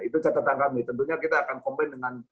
itu catatan kami tentunya kita akan combine dengan